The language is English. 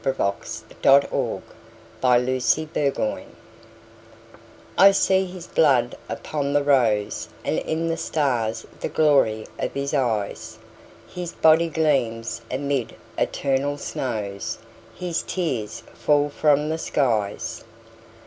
I see His Blood upon the Rose I SEE his blood upon the roseAnd in the stars the glory of his eyes, His body gleams amid eternal snows, His tears fall from the skies.